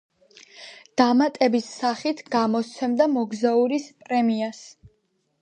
დამატების სახით გამოსცემდა „მოგზაურის პრემიას“.